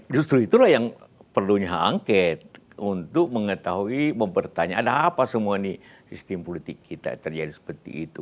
justru itulah yang perlunya angket untuk mengetahui mempertanya ada apa semua ini sistem politik kita terjadi seperti itu